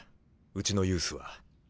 うちのユースは。